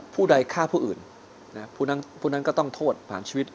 ผู้ใดฆ่าผู้อื่นผู้นั้นก็ต้องโทษผ่านชีวิต